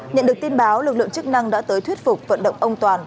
nhận được tin báo lực lượng chức năng đã tới thuyết phục vận động ông toàn